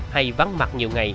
hay vắng mặt nhiều ngày